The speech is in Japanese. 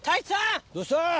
どうした！